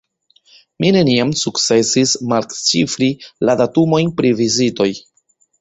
Mi neniam sukcesis malĉifri la datumojn pri vizitoj.